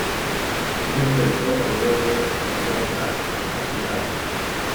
Al sureste del cráter Lebedev se encuentra Cassegrain.